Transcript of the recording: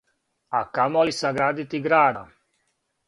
А камоли саградити града!